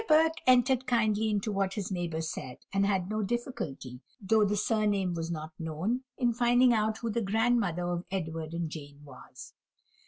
Burke entered kindly into what his neighbour said, and had no difficulty, though the surname was not known, in finding out who the grandmother of Edward and Jane was.